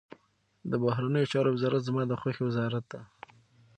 د بهرنیو چارو وزارت زما د خوښي وزارت دی.